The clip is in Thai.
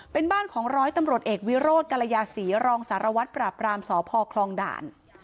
เป็นบ้านของร้อยตำรวจเอกวิโรธกรยาศรีรองสารวัตรปราบรามสพคลองด่าน